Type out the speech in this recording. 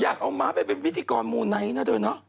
อยากเอาม้าไปเป็นพิธีกรมูไนท์นะเธอเนาะ